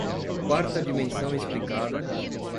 Quarta dimensão explicada